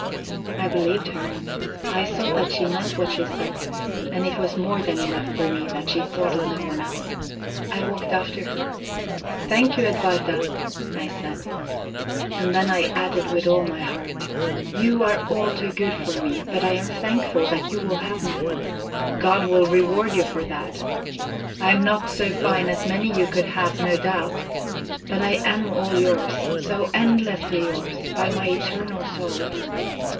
I believed her. I saw that she meant what she said, and it was more than enough for me that she thought of no one else. I walked after her. "Thank you, Edwarda," I said. And then I added with all my heart: "You are all too good for me, but I am thankful that you will have me; God will reward you for that. I'm not so fine as many you could have, no doubt, but I am all yours so endlessly yours, by my eternal soul.